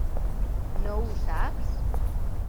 No ho saps?